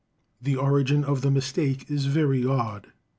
The origin of the mistake is very odd.